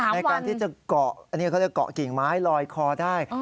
ในการที่จะเกาะกลิ่งไม้ลอยคอได้